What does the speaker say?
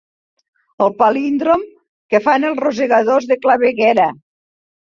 El palíndrom que fan els rosegadors de claveguera.